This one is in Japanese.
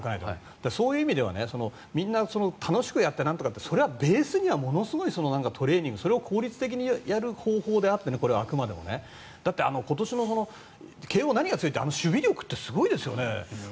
そういう意味ではみんな楽しくやってなんとかってそれはベースにはものすごいトレーニングそれを効率的にやる方法であってこれはあくまでもだって今年の慶応、何が強いって守備力、すごいですよね。